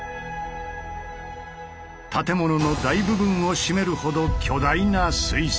建物の大部分を占めるほど巨大な水槽。